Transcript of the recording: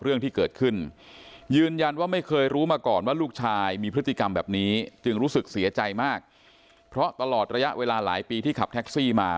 พิกรรมแบบนี้จึงรู้สึกเสียใจมากเพราะตลอดระยะเวลาหลายปีที่ขับแท็กซี่มา